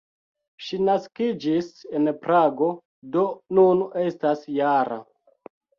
Ŝi naskiĝis en Prago, do nun estas -jara.